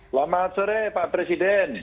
selamat sore pak presiden